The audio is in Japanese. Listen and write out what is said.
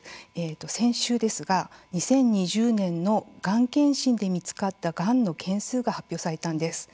先週ですが２０２０年のがん検診で見つかったがんの件数が発表されたんです。